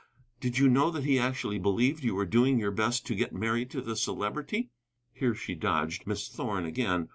Did you know that he actually believed you were doing your best to get married to the Celebrity?" (Here she dodged Miss Thorn again.)